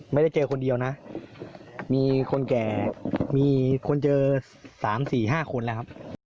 ไม่ได้เจอคนเดียวนะมีคนแก่มีคนเจอ๓๔๕คนแล้วครับ